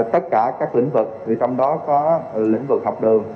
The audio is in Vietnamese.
tất cả các lĩnh vực trong đó có lĩnh vực học đường